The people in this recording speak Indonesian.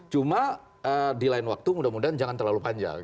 cuma di lain waktu mudah mudahan jangan terlalu panjang